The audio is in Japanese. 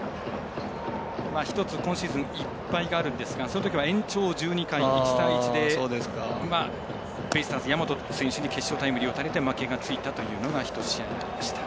１つ今シーズン１敗があるんですがそのときは延長１２回１対１で、ベイスターズ大和選手に決勝タイムリー打たれ負けがついたというのが１試合でした。